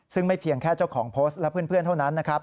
ซึ่งไม่เพียงแค่เจ้าของโพสต์และเพื่อนเท่านั้นนะครับ